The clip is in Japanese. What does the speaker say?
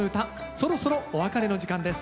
そろそろお別れの時間です。